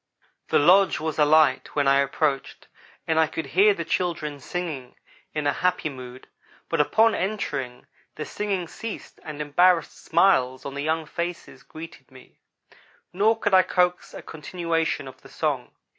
The lodge was alight when I approached and I could hear the children singing in a happy mood, but upon entering, the singing ceased and embarrassed smiles on the young faces greeted me; nor could I coax a continuation of the song.